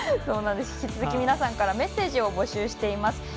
引き続き皆さんからメッセージを募集しております。